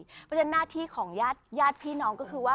เพราะฉะนั้นหน้าที่ของญาติพี่น้องก็คือว่า